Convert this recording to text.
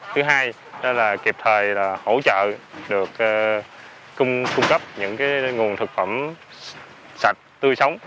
thứ hai đó là kịp thời hỗ trợ được cung cấp những nguồn thực phẩm sạch tươi sống